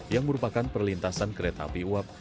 yang merupakan perlintasan kereta api uap